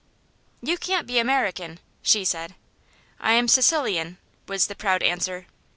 "You can't be American," she said. "I am Sicilian," was the proud answer.